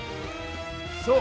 そう！